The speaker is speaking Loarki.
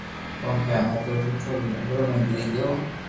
ڪونڪھ ھمي تو سبو ري نظرو ۾ گيري گيو